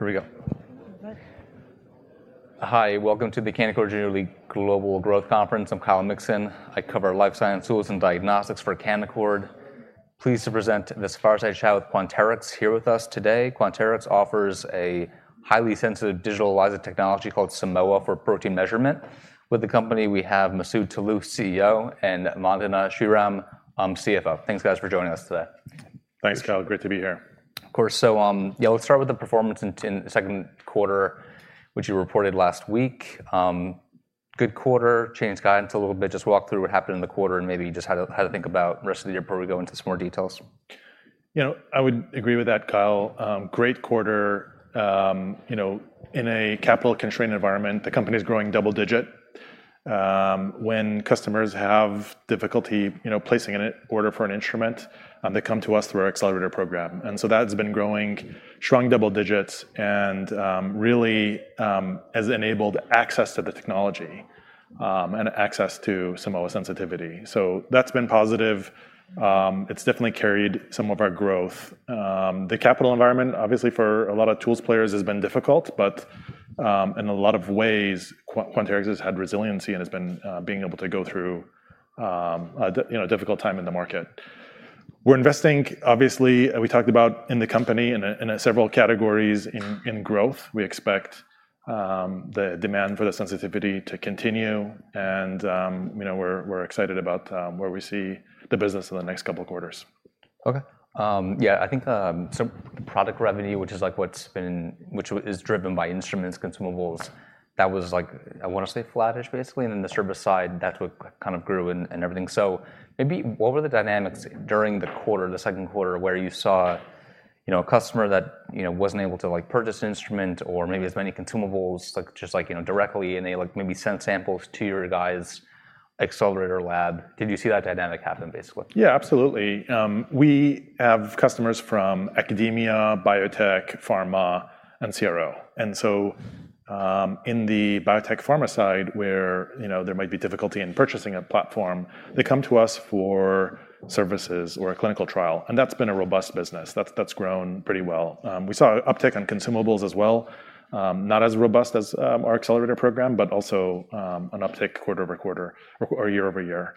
Here we go. Hi, welcome to the Canaccord Genuity Global Growth Conference. I'm Kyle Mikson. I cover Life Science Tools and Diagnostics for Canaccord. Pleased to present this fireside chat with Quanterix here with us today. Quanterix offers a highly sensitive digital ELISA technology called Simoa for protein measurement. With the company, we have Masoud Toloue, CEO, and Vandana Sriram, CFO. Thanks, guys, for joining us today. Thanks, Kyle. Great to be here. Of course. So, yeah, let's start with the performance in the second quarter, which you reported last week. Good quarter, changed guidance a little bit. Just walk through what happened in the quarter, and maybe just how to think about the rest of the year before we go into some more details. You know, I would agree with that, Kyle. Great quarter. You know, in a capital-constrained environment, the company is growing double digit. When customers have difficulty, you know, placing an order for an instrument, they come to us through our Accelerator program, and so that's been growing strong double digits and, really, has enabled access to the technology, and access to Simoa sensitivity. So that's been positive. It's definitely carried some of our growth. The capital environment, obviously, for a lot of tools players, has been difficult, but, in a lot of ways, Quanterix has had resiliency and has been, being able to go through, you know, a difficult time in the market. We're investing, obviously, we talked about in the company, in a, in several categories in, in growth. We expect the demand for the sensitivity to continue and, you know, we're excited about where we see the business in the next couple of quarters. Okay, yeah, I think, so product revenue, which is like what's been-- which is driven by instruments, consumables, that was like, I wanna say flattish, basically, and then the service side, that's what kind of grew and everything. So maybe what were the dynamics during the quarter, the second quarter, where you saw, you know, a customer that, you know, wasn't able to, like, purchase instrument or maybe as many consumables, like, just like, you know, directly, and they, like, maybe sent samples to your guys' Accelerator lab? Did you see that dynamic happen, basically? Yeah, absolutely. We have customers from academia, biotech, pharma, and CRO. And so, in the biotech pharma side, where, you know, there might be difficulty in purchasing a platform, they come to us for services or a clinical trial, and that's been a robust business. That's grown pretty well. We saw an uptick in consumables as well, not as robust as our Accelerator program, but also an uptick quarter-over-quarter or year-over-year.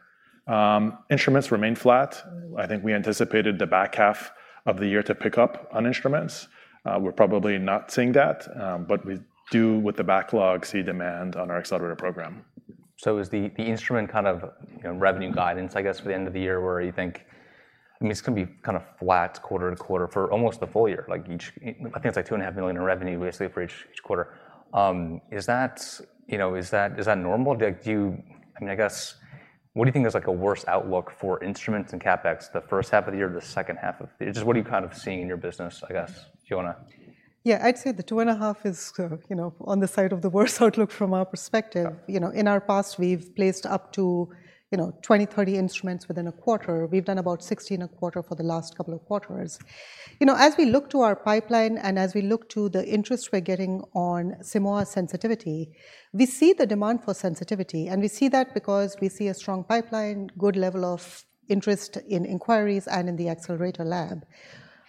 Instruments remained flat. I think we anticipated the back half of the year to pick up on instruments. We're probably not seeing that, but we do, with the backlog, see demand on our Accelerator program. So is the Instrument kind of, you know, revenue guidance, I guess, for the end of the year, where you think, I mean, it's gonna be kinda flat quarter to quarter for almost the full year, like each... I think it's like $2.5 million in revenue, basically, for each quarter. Is that, you know, is that normal? Do you-- I mean, I guess, what do you think is, like, a worse outlook for instruments and CapEx, the first half of the year or the second half of the year? Just what are you kind of seeing in your business, I guess? Do you wanna- Yeah, I'd say the $2.5 million is, you know, on the side of the worse outlook from our perspective. Yeah. You know, in our past, we've placed up to, you know, 20, 30 instruments within a quarter. We've done about 16 a quarter for the last couple of quarters. You know, as we look to our pipeline and as we look to the interest we're getting on Simoa sensitivity, we see the demand for sensitivity, and we see that because we see a strong pipeline, good level of interest in inquiries, and in the Accelerator lab.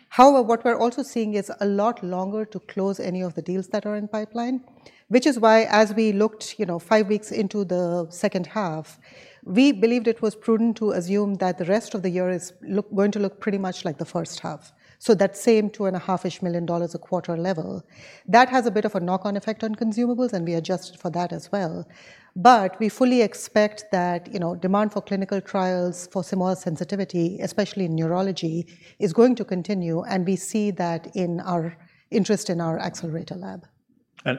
However, what we're also seeing is a lot longer to close any of the deals that are in pipeline, which is why, as we looked, you know, five weeks into the second half, we believed it was prudent to assume that the rest of the year is going to look pretty much like the first half. So that same $2.5 million-ish a quarter level, that has a bit of a knock-on effect on consumables, and we adjusted for that as well. But we fully expect that, you know, demand for clinical trials for Simoa sensitivity, especially in neurology, is going to continue, and we see that in our interest in our Accelerator Lab.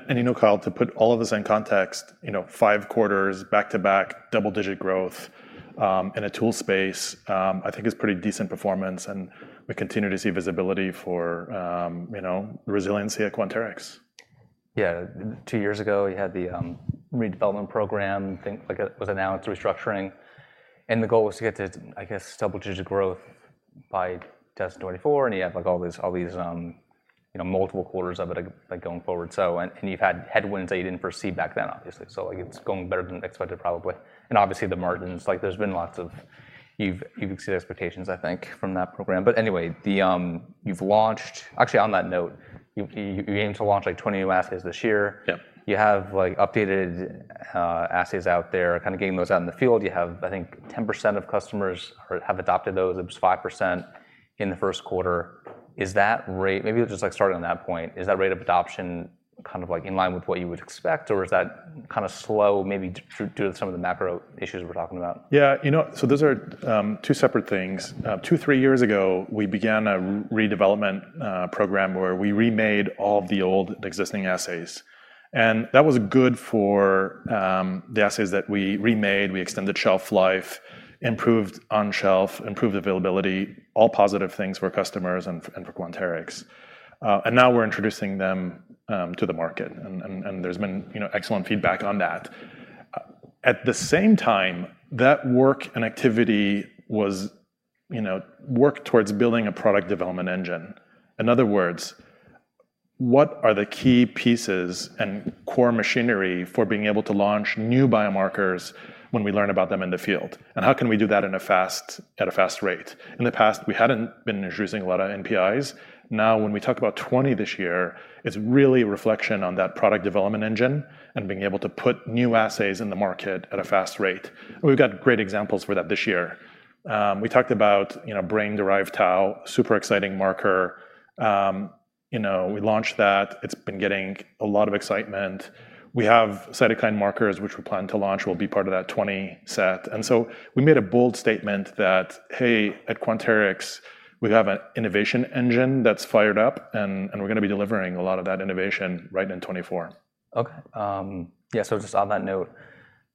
You know, Kyle, to put all of this in context, you know, five quarters back-to-back double-digit growth in a tool space. I think is pretty decent performance, and we continue to see visibility for, you know, resiliency at Quanterix. Yeah. Two years ago, you had the redevelopment program, think, like, it was announced restructuring, and the goal was to get to, I guess, double-digit growth by 2024, and you had, like, all these, all these, you know, multiple quarters of it, like, going forward. So and, and you've had headwinds that you didn't foresee back then, obviously. So, like, it's going better than expected, probably, and obviously, the margins, like, there's been lots of... You've, you've exceeded expectations, I think, from that program. But anyway, the, you've launched. Actually, on that note, you, you're aiming to launch, like, 20 new assays this year. Yep. You have, like, updated assays out there, kind of getting those out in the field. You have, I think, 10% of customers have adopted those. It was 5% in the first quarter. Is that rate. Maybe just, like, start on that point. Is that rate of adoption kind of, like, in line with what you would expect, or is that kind of slow, maybe due to some of the macro issues we're talking about? Yeah, you know, so those are two separate things. Two three years ago, we began a redevelopment program where we remade all of the old existing assays, and that was good for the assays that we remade. We extended shelf life, improved on-shelf, improved availability, all positive things for customers and for Quanterix. And now we're introducing them to the market, and there's been, you know, excellent feedback on that. At the same time, that work and activity was, you know, work towards building a product development engine. In other words, what are the key pieces and core machinery for being able to launch new biomarkers when we learn about them in the field? And how can we do that at a fast rate? In the past, we hadn't been introducing a lot of NPIs. Now, when we talk about 20 this year, it's really a reflection on that product development engine and being able to put new assays in the market at a fast rate. We've got great examples for that this year. We talked about, you know, brain-derived tau, super exciting marker. You know, we launched that. It's been getting a lot of excitement. We have cytokine markers, which we plan to launch, will be part of that 20 set. And so we made a bold statement that, hey, at Quanterix, we have an innovation engine that's fired up, and we're gonna be delivering a lot of that innovation right in 2024. Okay, yeah, so just on that note,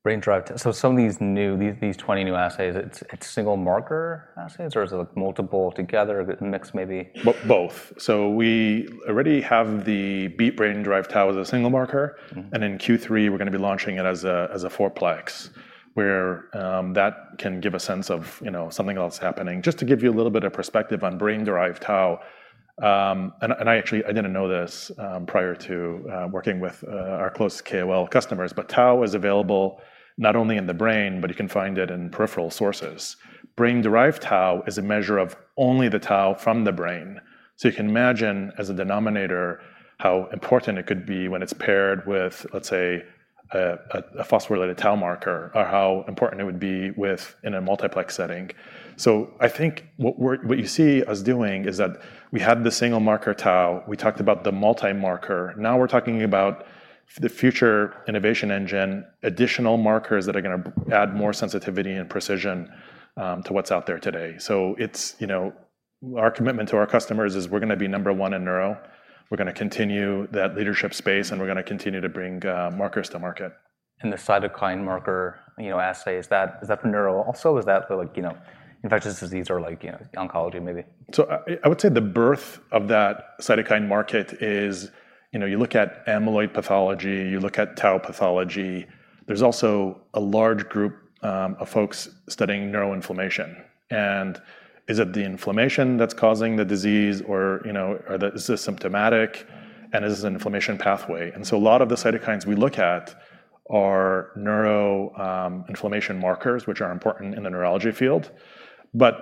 brain-derived... So some of these 20 new assays, it's single marker assays, or is it, like, multiple together, a mix, maybe? Both. So we already have the B brain-derived tau as a single marker. Mm-hmm. And in Q3, we're gonna be launching it as a four-plex, where that can give a sense of, you know, something else happening. Just to give you a little bit of perspective on brain-derived tau, and I actually—I didn't know this prior to working with our close KOL customers, but tau is available not only in the brain, but you can find it in peripheral sources. Brain-derived tau is a measure of only the tau from the brain. So you can imagine, as a denominator, how important it could be when it's paired with, let's say, a phosphorylated tau marker or how important it would be in a multiplex setting. So I think what we're—what you see us doing is that we had the single marker tau. We talked about the multi-marker. Now we're talking about the future innovation engine, additional markers that are gonna add more sensitivity and precision to what's out there today. So it's, you know, our commitment to our customers is we're gonna be number one in neuro. We're gonna continue that leadership space, and we're gonna continue to bring markers to market. The cytokine marker, you know, assay, is that, is that for neuro also, or is that for like, you know, infectious disease or like, you know, oncology, maybe? So I would say the birth of that cytokine market is, you know, you look at amyloid pathology, you look at tau pathology. There's also a large group of folks studying neuroinflammation. And is it the inflammation that's causing the disease or, you know, is this symptomatic, and is this an inflammation pathway? And so a lot of the cytokines we look at are neuroinflammation markers, which are important in the neurology field. But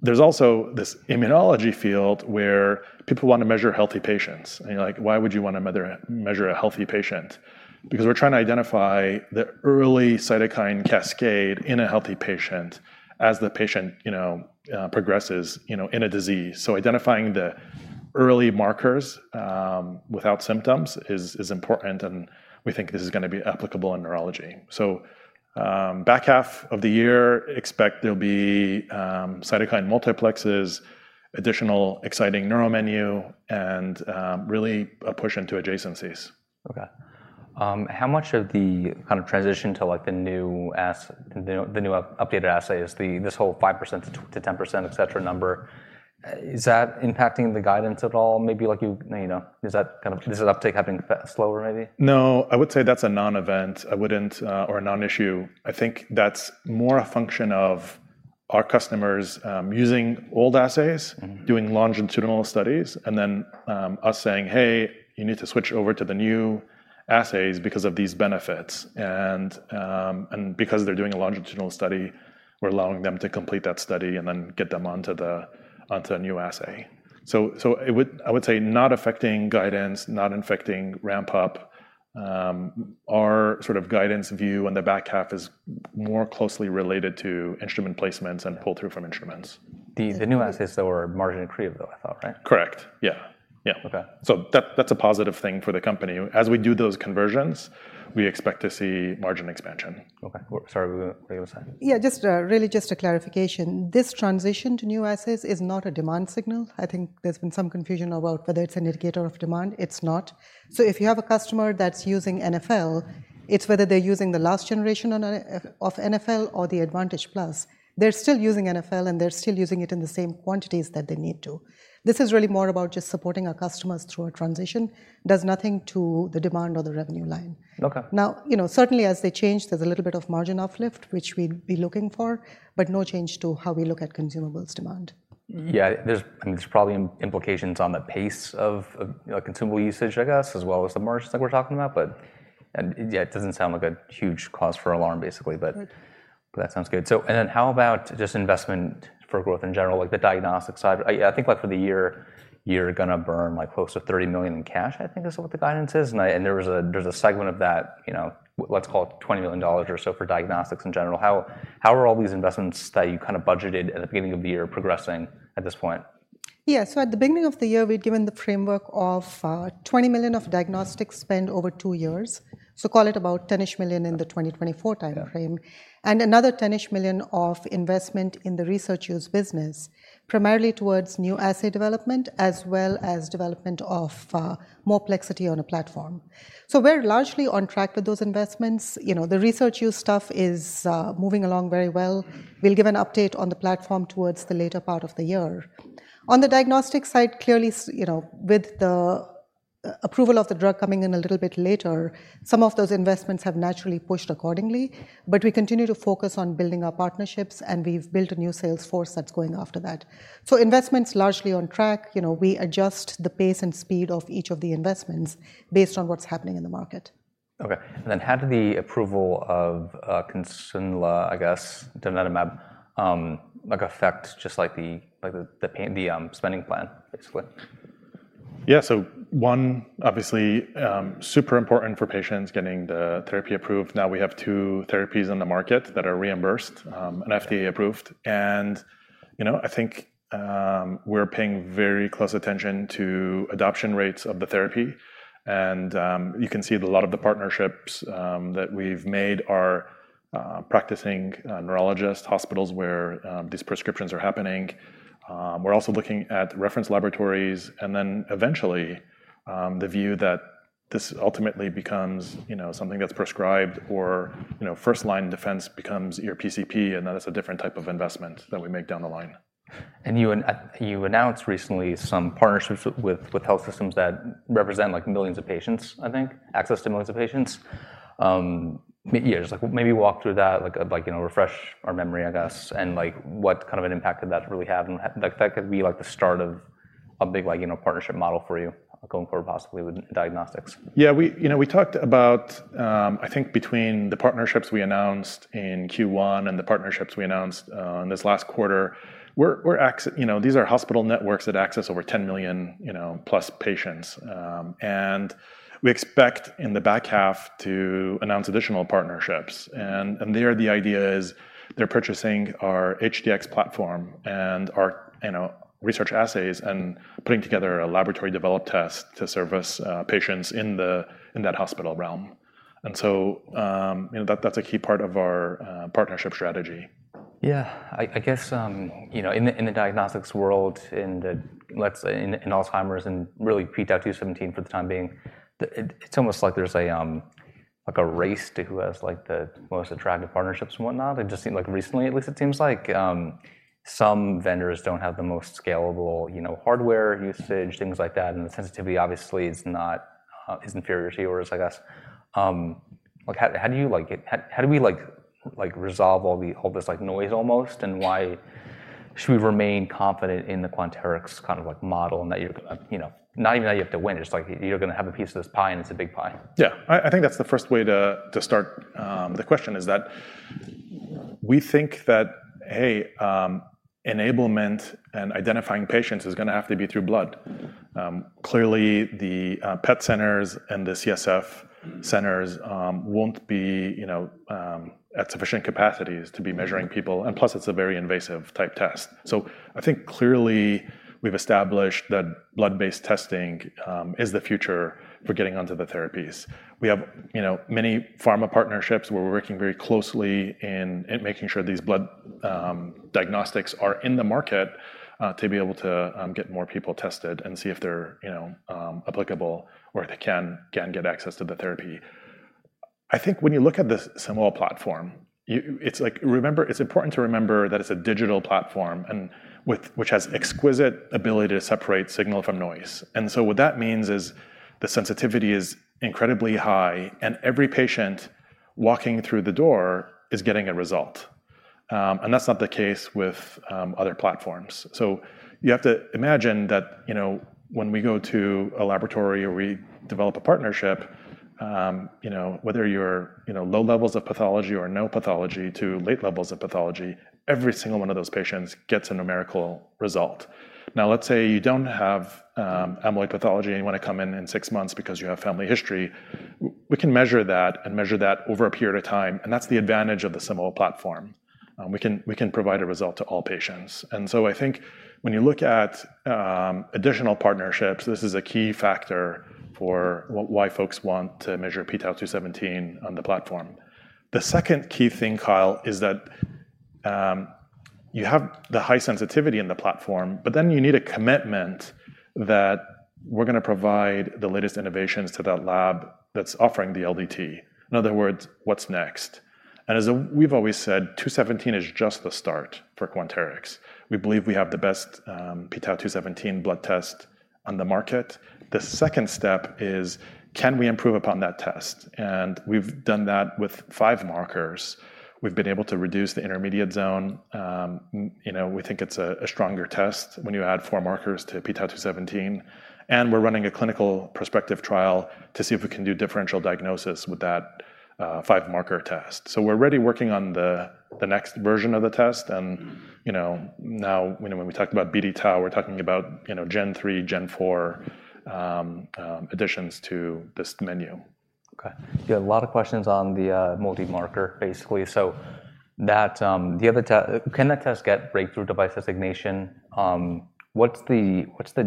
there's also this immunology field where people want to measure healthy patients. And you're like, why would you want to measure a healthy patient? Because we're trying to identify the early cytokine cascade in a healthy patient as the patient, you know, progresses, you know, in a disease. So identifying the early markers without symptoms is important, and we think this is gonna be applicable in neurology. So, back half of the year, expect there'll be cytokine multiplexes, additional exciting neuro menu, and really a push into adjacencies. Okay. How much of the kind of transition to, like, the new updated assay is the... this whole 5%-10%, et cetera, number is that impacting the guidance at all? Maybe like, you know, is that kind of-- is the uptake happening slower, maybe? No, I would say that's a non-event. I wouldn't, or a non-issue. I think that's more a function of our customers using old assays- Mm-hmm... doing longitudinal studies, and then us saying: Hey, you need to switch over to the new assays because of these benefits. And, and because they're doing a longitudinal study, we're allowing them to complete that study and then get them onto the, onto a new assay. So, it would, I would say, not affecting guidance, not affecting ramp-up. Our sort of guidance view on the back half is more closely related to instrument placements and pull-through from instruments. The new assays, though, are margin accretive, though, I thought, right? Correct. Yeah. Yeah. Okay. So, that's a positive thing for the company. As we do those conversions, we expect to see margin expansion. Okay, well, sorry, what were you going to say? Yeah, just, really just a clarification. This transition to new assays is not a demand signal. I think there's been some confusion about whether it's an indicator of demand. It's not. So if you have a customer that's using NfL, it's whether they're using the last generation or not of NfL or the Advantage PLUS. They're still using NfL, and they're still using it in the same quantities that they need to. This is really more about just supporting our customers through a transition, does nothing to the demand or the revenue line. Okay. Now, you know, certainly as they change, there's a little bit of margin uplift, which we'd be looking for, but no change to how we look at consumables demand. Yeah, there's, I mean, there's probably implications on the pace of, you know, consumable usage, I guess, as well as the merger that we're talking about, but... And, yeah, it doesn't sound like a huge cause for alarm, basically, but- Right ... that sounds good. So and then how about just investment for growth in general, like the diagnostic side? I think like for the year, you're gonna burn like close to $30 million in cash, I think is what the guidance is. And there was a, there's a segment of that, you know, let's call it $20 million or so for diagnostics in general. How are all these investments that you kind of budgeted at the beginning of the year progressing at this point? Yeah. So at the beginning of the year, we'd given the framework of $20 million of diagnostic spend over two years, so call it about $10-ish million in the 2024 timeframe- Yeah... and another $10-ish million of investment in the research-use business, primarily towards new assay development, as well as development of multiplexity on a platform. So we're largely on track with those investments. You know, the research use stuff is moving along very well. We'll give an update on the platform towards the later part of the year. On the diagnostic side, clearly, you know, with the approval of the drug coming in a little bit later, some of those investments have naturally pushed accordingly. But we continue to focus on building our partnerships, and we've built a new sales force that's going after that.... so investment's largely on track. You know, we adjust the pace and speed of each of the investments based on what's happening in the market. Okay, and then how did the approval of Kisunla, I guess, donanemab, like, the spending plan, basically? Yeah, so one, obviously, super important for patients getting the therapy approved. Now, we have two therapies on the market that are reimbursed, and FDA approved. And, you know, I think, we're paying very close attention to adoption rates of the therapy. And, you can see that a lot of the partnerships that we've made are practicing neurologist hospitals, where these prescriptions are happening. We're also looking at reference laboratories, and then eventually, the view that this ultimately becomes, you know, something that's prescribed or, you know, first line defense becomes your PCP, and then it's a different type of investment that we make down the line. And you announced recently some partnerships with, with health systems that represent, like, millions of patients, I think, access to millions of patients. Yeah, just, like, maybe walk through that. Like, like, you know, refresh our memory, I guess, and, like, what kind of an impact did that really have? And like, if that could be, like, the start of a big, like, you know, partnership model for you going forward, possibly with diagnostics. Yeah, we, you know, we talked about, I think between the partnerships we announced in Q1 and the partnerships we announced in this last quarter, we're you know, these are hospital networks that access over 10+ million, you know, patients. And we expect in the back half to announce additional partnerships, and there, the idea is they're purchasing our HD-X platform and our, you know, research assays and putting together a laboratory developed test to service patients in that hospital realm. And so, you know, that, that's a key part of our partnership strategy. Yeah. I guess, you know, in the diagnostics world, in the—let's say in Alzheimer's and really p-Tau 217 for the time being, it's almost like there's a, like, a race to who has, like, the most attractive partnerships and whatnot. It just seemed like recently at least, it seems like some vendors don't have the most scalable, you know, hardware usage- things like that, and the sensitivity obviously is not, is inferior to yours, I guess. Like, how do we, like, resolve all the, all this, like, noise almost? And why should we remain confident in the Quanterix kind of, like, model, and that you're, you know, not even that you have to win, it's like you're gonna have a piece of this pie, and it's a big pie. Yeah. I think that's the first way to start the question, is that we think that, hey, enablement and identifying patients is gonna have to be through blood. Clearly, the PET centers and the CSF centers won't be, you know, at sufficient capacities to be measuring people, and plus, it's a very invasive type test. So I think clearly we've established that blood-based testing is the future for getting onto the therapies. We have, you know, many pharma partnerships where we're working very closely in making sure these blood diagnostics are in the market, to be able to get more people tested and see if they're, you know, applicable or if they can get access to the therapy. I think when you look at the Simoa platform, you... It's like, remember, it's important to remember that it's a digital platform and with which has exquisite ability to separate signal from noise. And so what that means is the sensitivity is incredibly high, and every patient walking through the door is getting a result. And that's not the case with other platforms. So you have to imagine that, you know, when we go to a laboratory or we develop a partnership, you know, whether you're, you know, low levels of pathology or no pathology to late levels of pathology, every single one of those patients gets a numerical result. Now, let's say you don't have amyloid pathology, and you want to come in in six months because you have family history. We can measure that and measure that over a period of time, and that's the advantage of the Simoa platform. We can, we can provide a result to all patients. So I think when you look at additional partnerships, this is a key factor for why folks want to measure p-Tau 217 on the platform. The second key thing, Kyle, is that you have the high sensitivity in the platform, but then you need a commitment that we're gonna provide the latest innovations to that lab that's offering the LDT. In other words, what's next? And as we've always said, 217 is just the start for Quanterix. We believe we have the best p-Tau 217 blood test on the market. The second step is, can we improve upon that test? And we've done that with five markers. We've been able to reduce the intermediate zone. You know, we think it's a stronger test when you add four markers to p-Tau 217, and we're running a clinical prospective trial to see if we can do differential diagnosis with that five-marker test. So we're already working on the next version of the test, and, you know, now, you know, when we talk about BD-tau, we're talking about, you know, gen 3, gen 4 additions to this menu. Okay. Yeah, a lot of questions on the multi-marker, basically, so that the other test can get Breakthrough Device Designation? What's the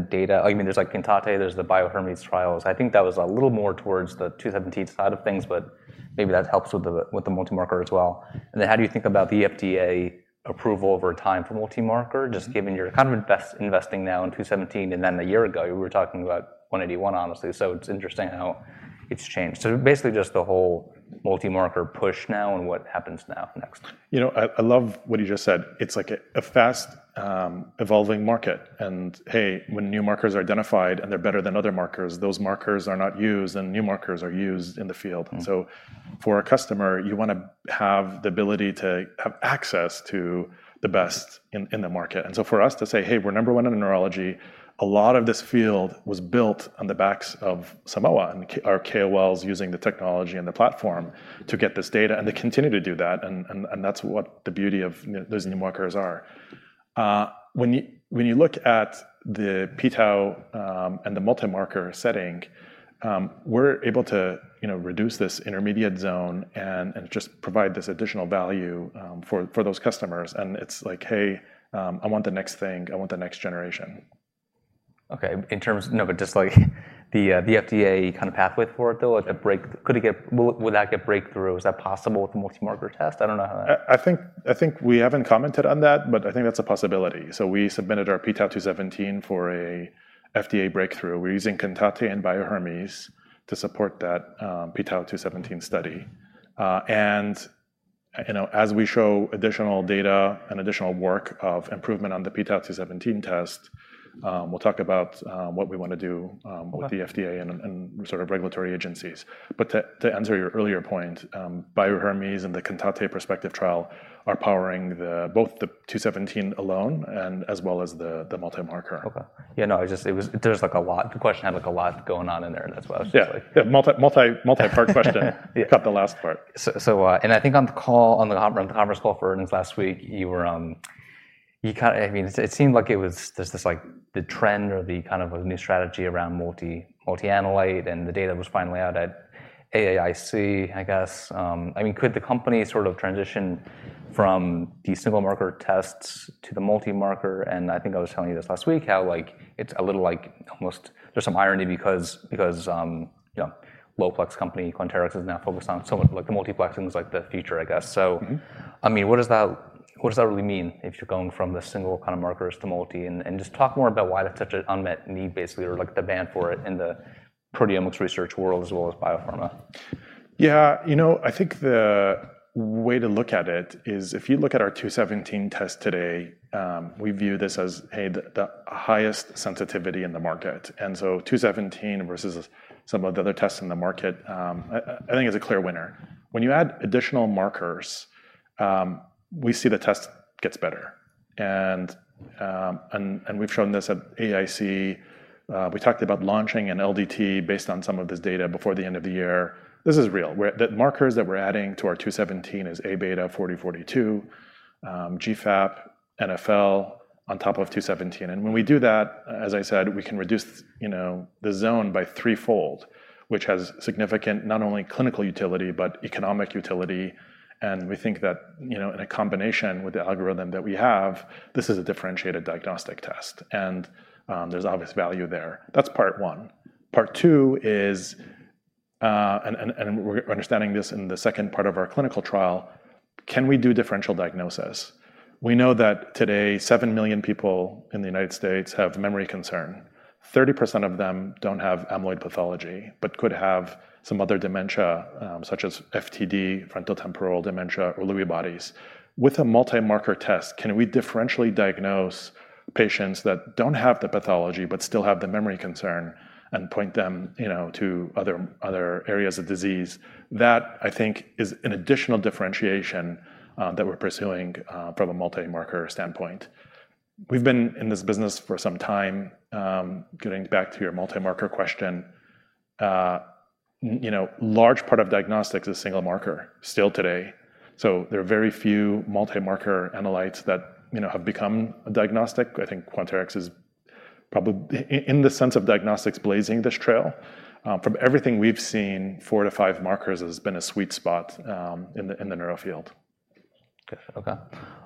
data? I mean, there's, like, CANTATE, there's the Bio-Hermes trials. I think that was a little more towards the 217 side of things, but maybe that helps with the multi-marker as well. Then how do you think about the FDA approval over time for multi-marker, just given you're kind of investing now in 217, and then a year ago, you were talking about 181, honestly, so it's interesting how it's changed. So basically, just the whole multi-marker push now and what happens next. You know, I love what you just said. It's like a fast, evolving market, and hey, when new markers are identified, and they're better than other markers, those markers are not used, and new markers are used in the field. Mm. So for a customer, you wanna have the ability to have access to the best in the market. And so for us to say, "Hey, we're number one in neurology," a lot of this field was built on the backs of Simoa and key our KOLs using the technology and the platform to get this data, and they continue to do that, and that's what the beauty of those new markers are. When you look at the p-Tau and the multimarker setting, we're able to, you know, reduce this intermediate zone and just provide this additional value for those customers. And it's like: Hey, I want the next thing. I want the next generation. Okay, but just, like, the FDA kind of pathway for it, though, like, a breakthrough? Could it get—will that get breakthrough? Is that possible with the multimarker test? I don't know how that— I think we haven't commented on that, but I think that's a possibility. So we submitted our p-Tau 217 for a FDA breakthrough. We're using CANTATE and Bio-Hermes to support that, p-Tau 217 study. And, you know, as we show additional data and additional work of improvement on the p-Tau 217 test, we'll talk about, what we wanna do, Okay... with the FDA and sort of regulatory agencies. But to answer your earlier point, Bio-Hermes and the CANTATE prospective trial are powering both the 217 alone and as well as the multimarker. Okay. Yeah, no, it's just, there's, like, a lot... The question had, like, a lot going on in there, and that's why I was just like- Yeah, yeah, multi-part question. Yeah. Got the last part. So, and I think on the call, on the conference call for earnings last week, you were, you kind of—I mean, it seemed like it was just this, like, the trend or the kind of a new strategy around multi-analyte, and the data was finally out at AAIC, I guess. I mean, could the company sort of transition from the single marker tests to the multimarker? And I think I was telling you this last week, how, like, it's a little, like, almost there's some irony because, you know, low-plex company, Quanterix, is now focused on so much, like, the multiplexing is, like, the future, I guess so. Mm-hmm. I mean, what does that really mean if you're going from the single kind of markers to multi? And just talk more about why that's such an unmet need, basically, or, like, the demand for it in the proteomics research world, as well as biopharma. Yeah, you know, I think the way to look at it is if you look at our 217 test today, we view this as, hey, the highest sensitivity in the market. And so 217 versus some of the other tests in the market, I think it's a clear winner. When you add additional markers, we see the test gets better, and we've shown this at AAIC. We talked about launching an LDT based on some of this data before the end of the year. This is real. The markers that we're adding to our 217 is A-beta 40/42, GFAP, NfL, on top of 217. And when we do that, as I said, we can reduce, you know, the zone by threefold, which has significant, not only clinical utility, but economic utility. And we think that, you know, in a combination with the algorithm that we have, this is a differentiated diagnostic test, and there's obvious value there. That's part one. Part two is... and we're understanding this in the second part of our clinical trial: Can we do differential diagnosis? We know that today 7 million people in the United States have memory concern. 30% of them don't have amyloid pathology, but could have some other dementia, such as FTD, frontotemporal dementia, or Lewy bodies. With a multimarker test, can we differentially diagnose patients that don't have the pathology but still have the memory concern and point them, you know, to other, other areas of disease? That, I think, is an additional differentiation, that we're pursuing from a multimarker standpoint. We've been in this business for some time. Getting back to your multimarker question, you know, large part of diagnostics is single marker still today. So there are very few multimarker analytes that, you know, have become a diagnostic. I think Quanterix is probably in the sense of diagnostics, blazing this trail. From everything we've seen, four to five markers has been a sweet spot in the neuro field. Okay, okay.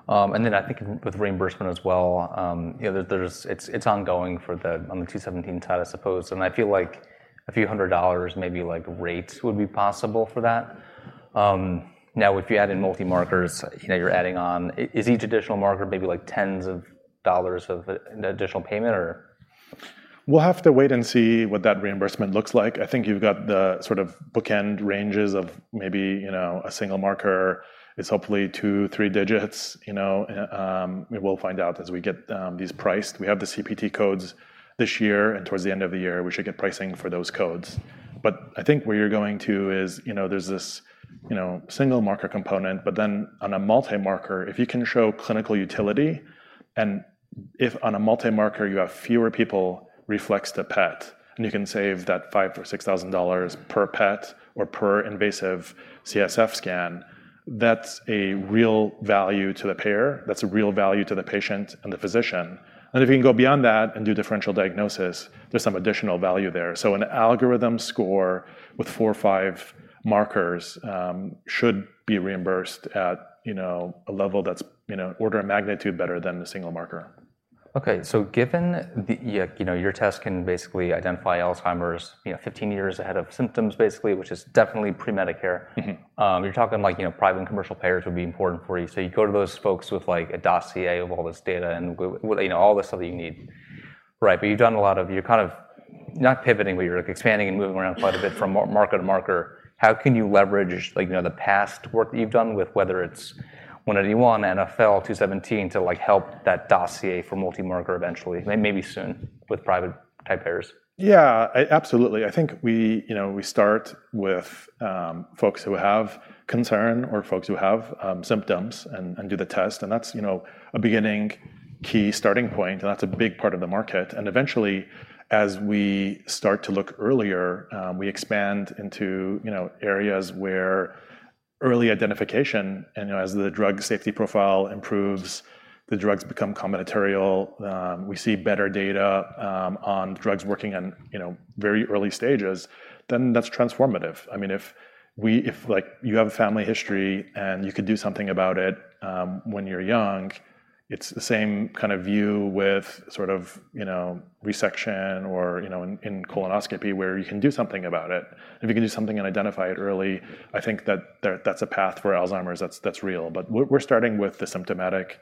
And then I think with reimbursement as well, you know, there's, it's ongoing for the, on the 217, I suppose. And I feel like a few hundred dollars maybe, like, rates would be possible for that. Now, if you add in multimarkers, you know, you're adding on... is each additional marker, maybe, like, tens of dollars of additional payment, or? We'll have to wait and see what that reimbursement looks like. I think you've got the sort of bookend ranges of maybe, you know, a single marker. It's hopefully two, three digits, you know, and, we will find out as we get, these priced. We have the CPT codes this year, and towards the end of the year, we should get pricing for those codes. But I think where you're going to is, you know, there's this, you know, single marker component, but then on a multimarker, if you can show clinical utility, and if on a multimarker, you have fewer people, reflex the PET, and you can save that $5,000 or $6,000 per PET or per invasive CSF scan, that's a real value to the payer, that's a real value to the patient and the physician. If you can go beyond that and do differential diagnosis, there's some additional value there. An algorithm score with four or five markers should be reimbursed at, you know, a level that's an order of magnitude better than the single marker. Okay, so given the, you know, your test can basically identify Alzheimer's, you know, 15 years ahead of symptoms, basically, which is definitely pre-Medicare. Mm-hmm. You're talking like, you know, private and commercial payers would be important for you. So you go to those folks with, like, a dossier of all this data and well, you know, all this stuff that you need, right? But you've done a lot of... You're kind of, not pivoting, but you're, like, expanding and moving around quite a bit from marker to marker. How can you leverage, like, you know, the past work that you've done with, whether it's 181, NfL, 217, to, like, help that dossier for multimarker eventually, maybe soon, with private payers? Yeah, absolutely. I think we, you know, we start with folks who have concern or folks who have symptoms and, and do the test, and that's, you know, a beginning key starting point, and that's a big part of the market. And eventually, as we start to look earlier, we expand into, you know, areas where early identification, and, you know, as the drug safety profile improves, the drugs become combinatorial, we see better data on drugs working on, you know, very early stages, then that's transformative. I mean, if, like, you have a family history, and you could do something about it when you're young, it's the same kind of view with sort of, you know, resection or, you know, in, in colonoscopy, where you can do something about it. If you can do something and identify it early, I think that that's a path for Alzheimer's that's real. But we're starting with the symptomatic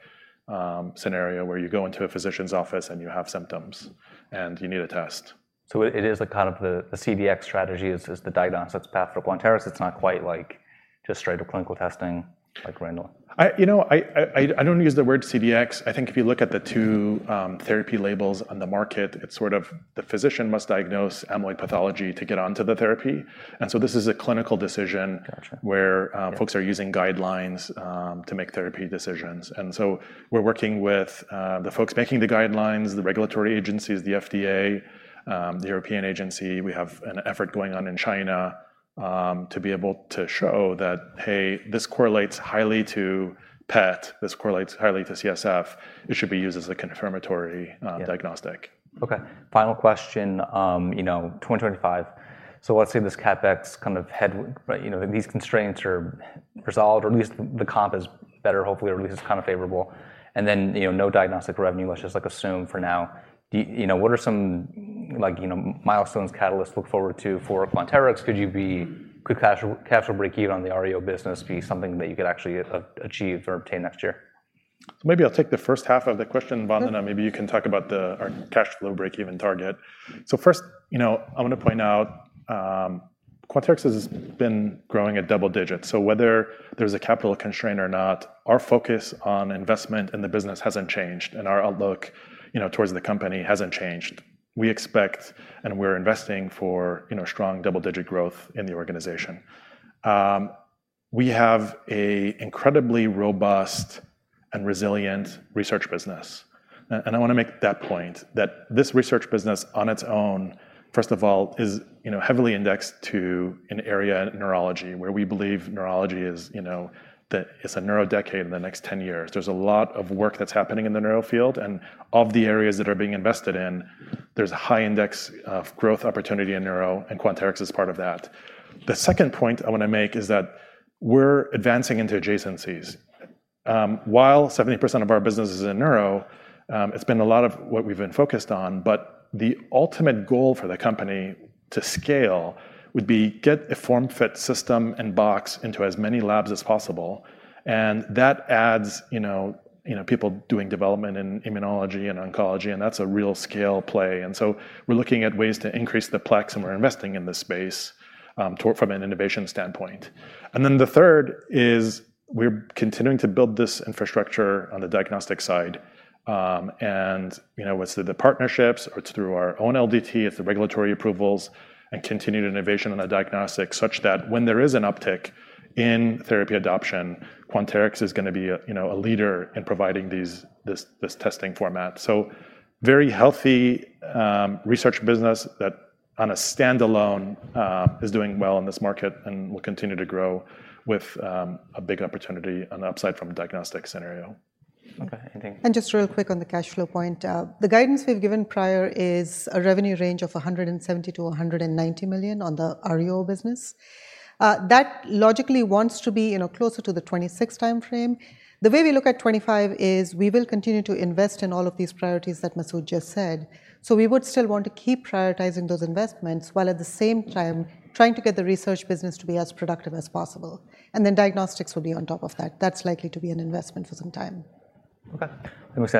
scenario, where you go into a physician's office, and you have symptoms, and you need a test. So it is a kind of CDx strategy, is the diagnosis path for Quanterix. It's not quite like just straight up clinical testing, like Randox. You know, I don't use the word CDx. I think if you look at the two therapy labels on the market, it's sort of the physician must diagnose amyloid pathology to get onto the therapy. And so this is a clinical decision- Gotcha. - where folks are using guidelines to make therapy decisions. And so we're working with the folks making the guidelines, the regulatory agencies, the FDA, the European agency. We have an effort going on in China to be able to show that, hey, this correlates highly to PET. This correlates highly to CSF. It should be used as a confirmatory diagnostic. Yeah. Okay, final question, you know, 2025. So let's say this CapEx kind of... Right, you know, these constraints are resolved, or at least the comp is better, hopefully, or at least it's kind of favorable. And then, you know, no diagnostic revenue. Let's just, like, assume for now. Do you know, what are some, like, you know, milestones, catalysts look forward to for Quanterix? Could cash flow break even on the RUO business be something that you could actually achieve or obtain next year? Maybe I'll take the first half of the question, Vandana. Mm-hmm. Maybe you can talk about our cash flow breakeven target. So first, you know, I want to point out, Quanterix has been growing at double digits, so whether there's a capital constraint or not, our focus on investment in the business hasn't changed, and our outlook, you know, towards the company hasn't changed. We expect, and we're investing for, you know, strong double-digit growth in the organization. We have an incredibly robust and resilient research business, and I want to make that point, that this research business on its own, first of all, is, you know, heavily indexed to an area in neurology, where we believe neurology is, you know, that it's a neuro decade in the next 10 years. There's a lot of work that's happening in the neuro field, and of the areas that are being invested in, there's a high index of growth opportunity in neuro, and Quanterix is part of that. The second point I want to make is that we're advancing into adjacencies. While 70% of our business is in neuro, it's been a lot of what we've been focused on, but the ultimate goal for the company to scale would be get a form-fit system and box into as many labs as possible, and that adds, you know, you know, people doing development in immunology and oncology, and that's a real scale play. And so we're looking at ways to increase the plex, and we're investing in the space from an innovation standpoint. And then the third is, we're continuing to build this infrastructure on the diagnostic side. And, you know, whether it's through the partnerships or it's through our own LDT, it's the regulatory approvals and continued innovation on the diagnostic, such that when there is an uptick in therapy adoption, Quanterix is going to be a, you know, a leader in providing this testing format. So very healthy research business that on a standalone is doing well in this market and will continue to grow with a big opportunity on the upside from a diagnostic scenario. Okay, thank you. And just real quick on the cash flow point. The guidance we've given prior is a revenue range of $170 million-$190 million on the REO business. That logically wants to be, you know, closer to the 2026 timeframe. The way we look at 2025 is we will continue to invest in all of these priorities that Masoud just said. So we would still want to keep prioritizing those investments, while at the same time trying to get the research business to be as productive as possible. And then diagnostics will be on top of that. That's likely to be an investment for some time. Okay. Thanks, Vandana.